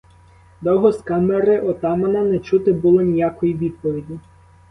Довго з камери отамана не чути було ніякої відповіді.